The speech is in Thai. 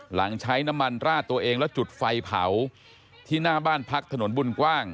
หลังใช้น้ำมันราดตัวเองแล้วจุดไฟเผาที่หน้าบ้านพักถนนบุญกว้าง